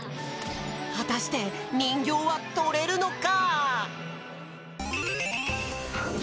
はたしてにんぎょうはとれるのか！？